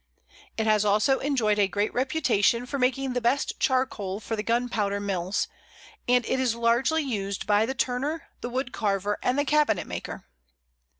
It has also enjoyed a great reputation for making the best charcoal for the gunpowder mills, and it is largely used by the turner, the wood carver, and the cabinet maker.